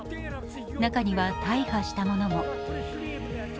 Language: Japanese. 中には大破したものも。